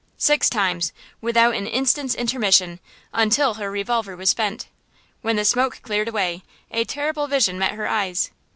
Six times without an instant's intermission, until her revolver was spent. When the smoke cleared away, a terrible vision met her eyes!